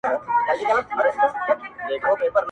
زما زړه لکه افغان د خزانو په منځ کي خوار دی,